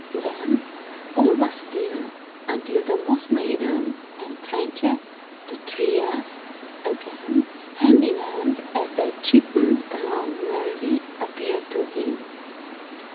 Then, all was still, until the Moss Maiden and Trintje, the Tree Elf, again, hand in hand, as they tripped along merrily, appeared to him.